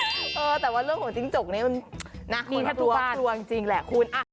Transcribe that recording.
เออแต่ว่าเรื่องของจิ้งจกนี้มันน่ากลัวจริงแหละคุณ